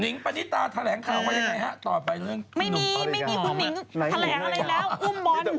นิ้งประนิตาแถลงข่าวว่าอย่างไรฮะต่อไปเรื่องนุมต่อไปกันครับไม่มีไม่มีคุณนิ้งแถลงอะไรแล้ว